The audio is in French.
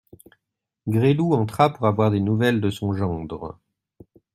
Gresloup entra pour avoir des nouvelles de son gendre.